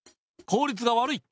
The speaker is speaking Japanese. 効率が悪い。